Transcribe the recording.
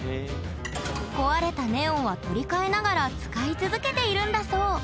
壊れたネオンは取り替えながら使い続けているんだそう。